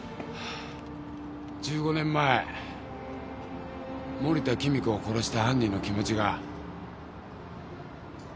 １５年前森田貴美子を殺した犯人の気持ちが。